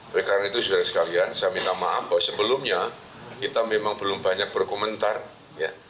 oleh karena itu saudara sekalian saya minta maaf bahwa sebelumnya kita memang belum banyak berkomentar ya